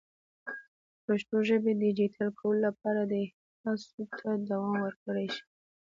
د پښتو ژبې د ډیجیټل کولو لپاره دې هڅو ته دوام ورکړل شي.